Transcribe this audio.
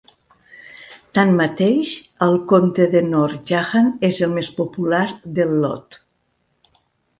Tanmateix, el conte de Noor Jahan és el més popular del lot.